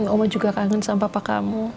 oma juga kangen sama papa kamu